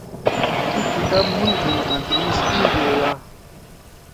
تی کتاب مُول گھیِن آں بھی سکول کے گا۔